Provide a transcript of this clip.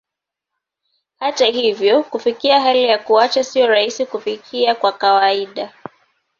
Hata hivyo, kufikia hali ya kuacha sio rahisi kufikia kwa kawaida.